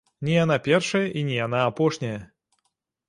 Не яна першая, і не яна апошняя!